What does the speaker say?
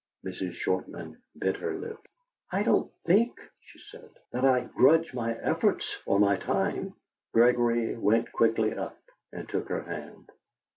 Mrs. Shortman bit her lips. "I don't think," she said, "that I grudge my efforts or my time." Gregory went quickly up, and took her hand.